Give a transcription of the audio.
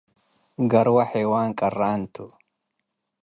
ገርወ ሔዋን ቀራን ቱ ።